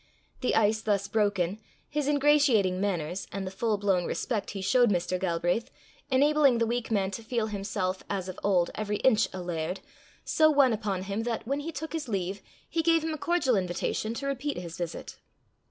The ice thus broken, his ingratiating manners, and the full blown respect he showed Mr. Galbraith, enabling the weak man to feel himself, as of old, every inch a laird, so won upon him that, when he took his leave, he gave him a cordial invitation to repeat his visit.